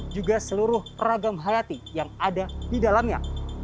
juga seluruh ragam hayati yang ada di dalamnya